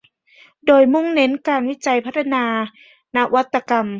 โดยมุ่งเน้นการวิจัยพัฒนานวัตกรรม